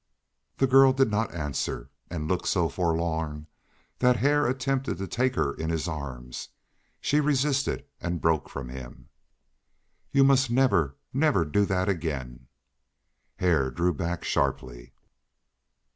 The girl did not answer, and looked so forlorn that Hare attempted to take her in his arms. She resisted and broke from him. "You must never never do that again." Hare drew back sharply.